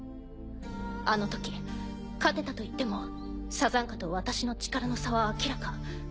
あのとき勝てたといってもサザンカと私の力の差は明らか。